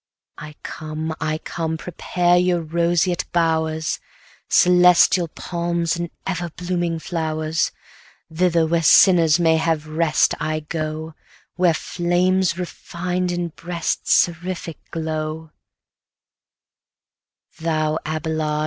I come, I come! prepare your roseate bowers, Celestial palms, and ever blooming flowers. Thither, where sinners may have rest, I go, Where flames refined in breasts seraphic glow: 320 Thou, Abelard!